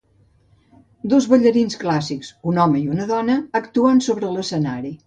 Dos ballarins clàssics, un home i una dona, actuant sobre l'escenari.